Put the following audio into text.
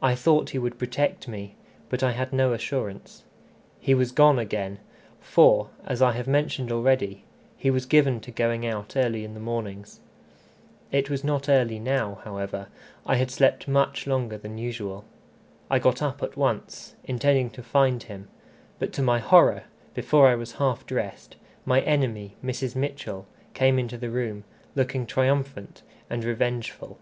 I thought he would protect me, but I had no assurance. He was gone again, for, as I have mentioned already, he was given to going out early in the mornings. It was not early now, however; I had slept much longer than usual. I got up at once, intending to find him; but, to my horror, before I was half dressed, my enemy, Mrs. Mitchell, came into the room, looking triumphant and revengeful.